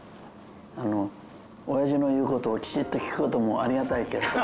あの親父の言う事をきちっと聞く事もありがたいけれども。